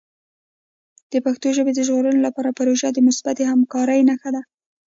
د پښتو ژبې د ژغورنې لپاره پروژه د مثبتې همکارۍ نښه ده.